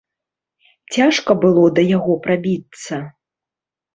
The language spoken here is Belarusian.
Цяжка было да яго прабіцца?